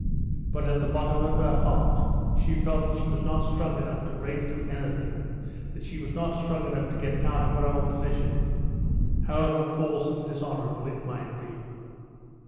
But at the bottom of her heart she felt that she was not strong enough to break through anything, that she was not strong enough to get out of her old position, however false and dishonorable it might be.